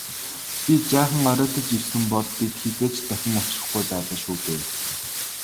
Би жаахан оройтож ирсэн бол бид хэзээ ч дахин учрахгүй байлаа шүү дээ.